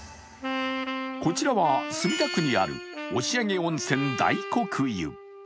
こちらは墨田区にある押上温泉大黒湯。